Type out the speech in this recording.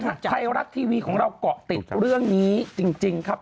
ไทยรัฐทีวีของเราเกาะติดเรื่องนี้จริงครับ